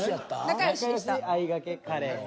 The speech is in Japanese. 仲良しあいがけカレー。